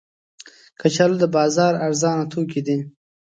کچالو د بازار ارزانه توکي دي